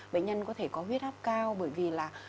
bệnh nhân có thể có huyết áp cao bởi vì là